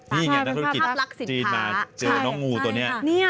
นี่ไงนักธุรกิจจีนมาเจอน้องงูตัวนี้